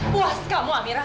puas kamu amira